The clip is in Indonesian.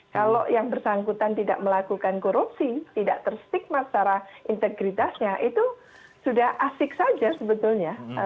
kalau yang bersangkutan tidak melakukan korupsi tidak terstigmat secara integritasnya itu sudah asik saja sebetulnya